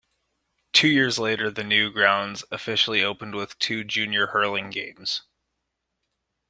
Two years later the new grounds officially opened with two junior hurling games.